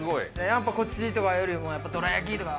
やっぱこっちとかよりもどら焼きとか。